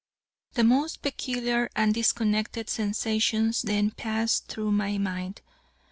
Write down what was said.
The most peculiar and disconnected sensations then passed through my mind.